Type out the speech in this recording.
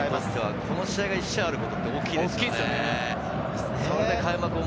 この試合、１試合があることは大きいですよね。